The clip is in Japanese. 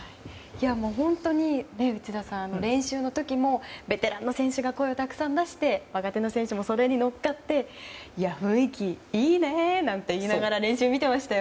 本当に内田さん練習の時もベテランの選手が声を出して若手の選手もそれに乗っかって雰囲気いいね！なんて言いながら練習を見ていました。